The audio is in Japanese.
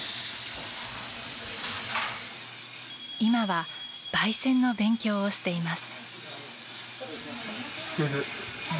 今は焙煎の勉強をしています。